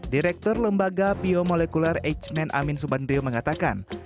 direktur lembaga biomolekuler h man amin subandrio mengatakan